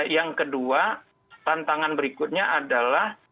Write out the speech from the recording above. yang kedua tantangan berikutnya adalah